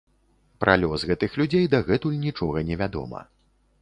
Пра лёс гэтых людзей дагэтуль нічога невядома.